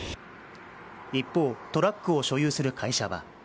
一方、トラックを所有する会社は。